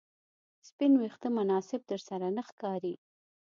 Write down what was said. سپین ویښته مناسب درسره نه ښکاري